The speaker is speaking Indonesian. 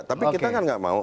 tapi kita kan nggak mau